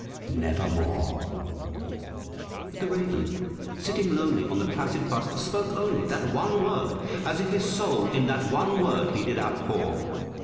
┬╗_ But the Raven, sitting lonely on that placid bust, spoke only That one word, as if his soul in that one word he did outpour.